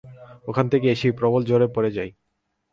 ওখান থেকে এসেই প্রবল জ্বরে পড়ে যাই।